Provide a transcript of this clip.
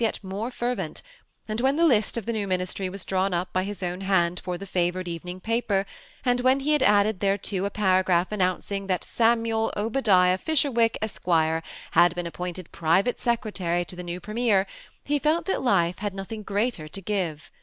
yet more fervent; and when the list of the new ministry was drawn up by his own hand for the favored evening paper, and when he had added thereto a para graph announcing that Samuel Obadiah Fisherwick, Esq., had been appointed private secretary to the new premier, he felt that life had nothing greater to give.